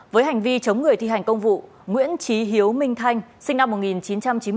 với hành vi chống người thi hành công vụ nguyễn trí hiếu minh thanh sinh năm một nghìn chín trăm chín mươi bốn